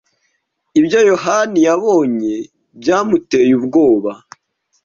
Ibyo Yohani yabonye byamuteye ubwoba.